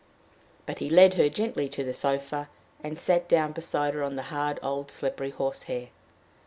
But he led her gently to the sofa, and sat down beside her on the hard old slippery horsehair.